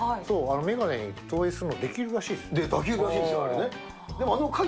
眼鏡に投影するのできるらしできるらしいですね。